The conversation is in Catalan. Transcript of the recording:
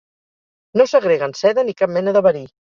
No segreguen seda ni cap mena de verí.